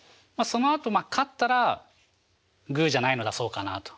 そのあと勝ったらグーじゃないの出そうかなと。